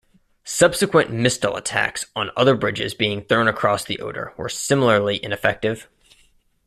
Subsequent "Mistel" attacks on other bridges being thrown across the Oder were similarly ineffective.